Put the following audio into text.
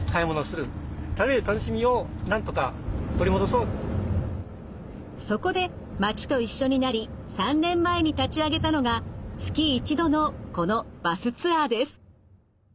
その一方でそこで町と一緒になり３年前に立ち上げたのが月一度のこのバスツアーです。